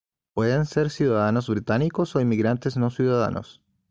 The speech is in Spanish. Pueden ser ciudadanos británicos o inmigrantes no ciudadanos.